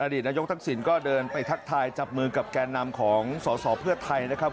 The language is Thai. ดีตนายกทักษิณก็เดินไปทักทายจับมือกับแกนนำของสอสอเพื่อไทยนะครับ